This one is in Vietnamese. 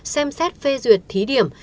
xem xét phê duyệt thí điểm